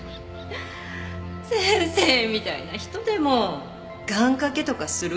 先生みたいな人でも願掛けとかするんですね。